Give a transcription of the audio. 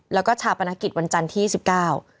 แล้วก็ชาวพนักฤทธิ์วันจันที่สิบเก้า